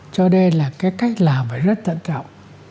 cho nên là cái cách làm phải rất thận trọng